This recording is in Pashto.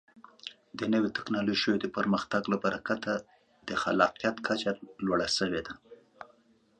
د نوو ټکنالوژیو د پرمختګ له برکته د خلاقیت کچه لوړه شوې ده.